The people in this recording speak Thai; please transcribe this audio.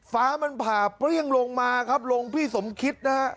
ฟ้ามันผ่าเปรี้ยงลงมาครับลงพี่สมคิดนะฮะ